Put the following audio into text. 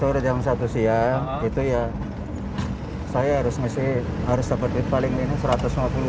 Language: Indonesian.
turun jam satu siang itu ya saya harus ngasih harus dapet duit paling ini rp satu ratus lima puluh tuh pak